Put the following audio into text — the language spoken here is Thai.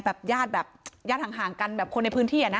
แบบญาติห่างกันแบบคนในพื้นที่